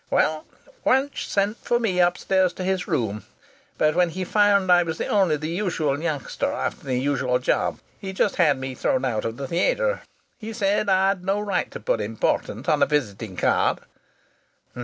Well, Wunch sent for me upstairs to his room, but when he found I was only the usual youngster after the usual job he just had me thrown out of the theatre. He said I'd no right to put 'Important' on a visiting card.